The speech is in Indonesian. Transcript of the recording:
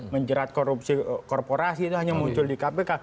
menjerat korupsi korporasi itu hanya muncul di kpk